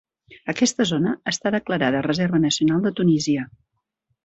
Aquesta zona està declarada reserva nacional de Tunísia.